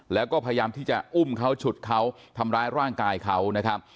แล้วก็พยายามที่จะอุ้มเขาฉุดเขาทำร้ายร่างกายเขานะครับ